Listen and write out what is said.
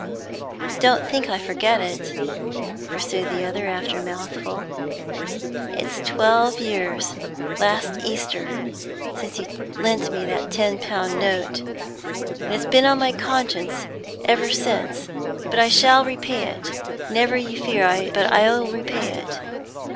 'Don't think I forget it,' pursued the other, after a mouthful. 'It's twelve years last Easter since you lent me that ten pound note, and it's been on my conscience ever since. But I shall repay it; never you fear but I'll repay it.